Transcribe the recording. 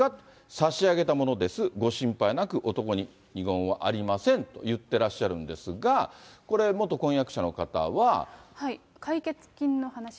差し上げたものです、ご心配なく、男に二言はありませんと言ってらっしゃるんですが、これ、元婚約解決金の話ですか？